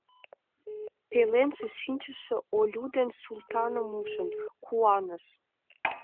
Пеленже шинчыше Олю ден Султаным ужын, куаныш: